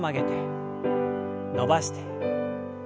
伸ばして。